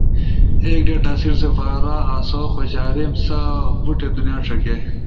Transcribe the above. ایک ڈیٹا سیٹ سپارا آسو خوشاریم سا بوٹے دنیا ݜکے۔